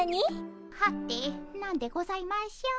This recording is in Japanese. はて何でございましょう。